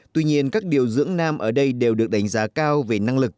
tuy nhiên các điều dưỡng nam ở đây đều được đánh giá cao về năng lực